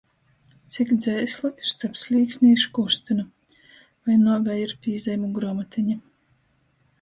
Cik dzeislu ir storp slīksni i škūrstynu? Voi nuovei ir pīzeimu gruomateņa?